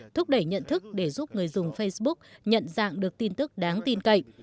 thúc đẩy nhận thức để giúp người dùng facebook nhận dạng được tin tức đáng tin cậy